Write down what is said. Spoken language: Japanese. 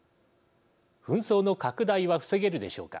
紛争の拡大は防げるでしょうか。